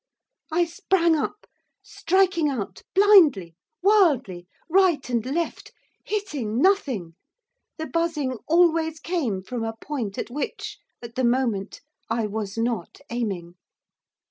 I sprang up, striking out, blindly, wildly, right and left, hitting nothing, the buzzing always came from a point at which, at the moment, I was not aiming.